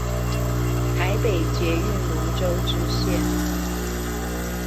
臺北捷運蘆洲支線